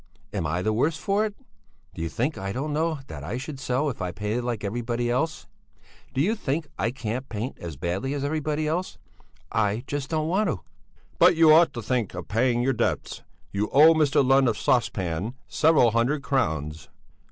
Am I the worse for it? Do you think I don't know that I should sell if I painted like everybody else? Do you think I can't paint as badly as everybody else? I just don't want to!" "But you ought to think of paying your debts! You owe Mr. Lund of the 'Sauce Pan' several hundred crowns."